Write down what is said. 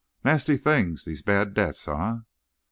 Nasty things, these bad debts, eh?